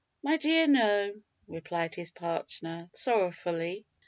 "My dear, no," replied his partner, sorrowfully.